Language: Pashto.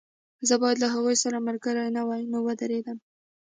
زه باید له هغوی سره ملګری نه وای نو ودرېدم